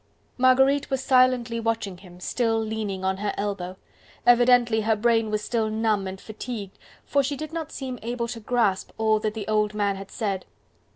Marguerite was silently watching him, still leaning on her elbow. Evidently her brain was still numb and fatigued, for she did not seem able to grasp all that the old man said.